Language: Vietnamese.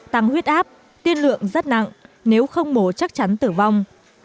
tăng huyết áp tiên lượng rất nặng nếu không mổ chắc chắn tử vong